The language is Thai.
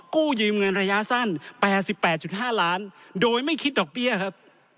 กู้ยืมเงินระยะสั้น๘๘๕ล้านโดยไม่คิดดอกเบี้ยครับ